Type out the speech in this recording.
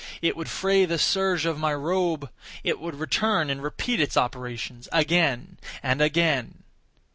It would fray the serge of my robe—it would return and repeat its operations—again—and again.